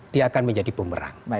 dia akan menjadi pemberang